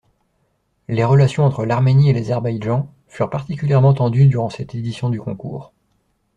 Les relations entre l’Arménie et l’Azerbaïdjan furent particulièrement tendues durant cette édition du concours.